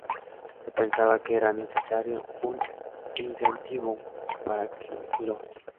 Se pensaba que era necesario un incentivo para que los